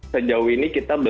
sejauh ini kita belum